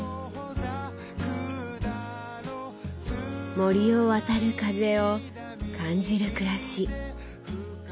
森を渡る風を感じる暮らし。